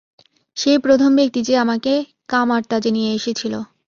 সেই প্রথম ব্যক্তি যে আমাকে কামার-তাজে নিয়ে এসেছিল।